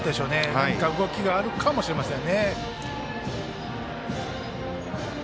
何か動きがあるかもしれません。